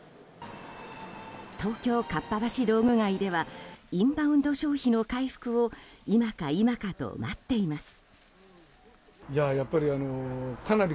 東京・かっぱ橋道具街ではインバウンド消費の回復を今か今かと待っています。